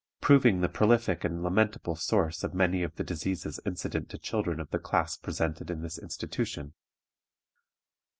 proving the prolific and lamentable source of many of the diseases incident to children of the class presented in this institution.